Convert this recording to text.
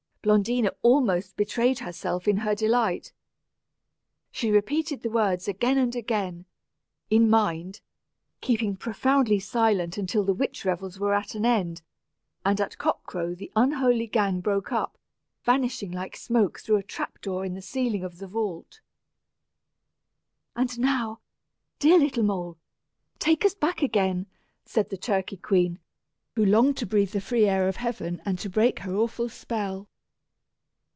'" Blondina almost betrayed herself in her delight. She repeated the words again and again, in mind, keeping profoundly silent until the witch revels were at an end; and at cock crow the unholy gang broke up, vanishing like smoke through a trap door in the ceiling of the vault. "And now, dear little mole, take us back again," said the turkey queen, who longed to breathe the free air of heaven and to break her awful spell.